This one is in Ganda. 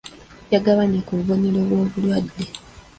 Yagabanye ku bubonero bw'obulwadde.